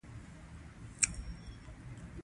لنډه دا چې وروسته مو الوتکې ته حرکت وکړ.